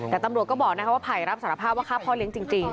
แต่ตำรวจก็บอกว่าไผ่รับสารภาพว่าฆ่าพ่อเลี้ยงจริง